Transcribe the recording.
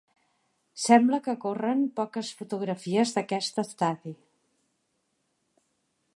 Sembla que corren poques fotografies d'aquest estadi.